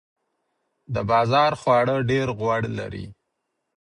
د بازار خواړه ډیر غوړ لري.